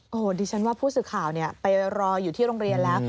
โอ้โหดิฉันว่าผู้สื่อข่าวไปรออยู่ที่โรงเรียนแล้ว